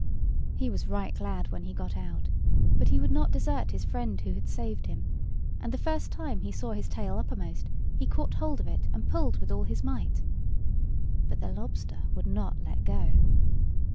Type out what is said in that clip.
He was right glad when he got out: but he would not desert his friend who had saved him; and the first time he saw his tail uppermost he caught hold of it, and pulled with all his might. But the lobster would not let go.